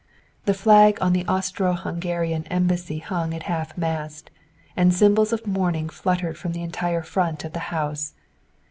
The flag on the Austro Hungarian embassy hung at half mast and symbols of mourning fluttered from the entire front of the house.